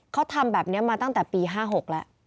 เขาทำแบบนี้มาตั้งแต่ปี๕๖แล้ว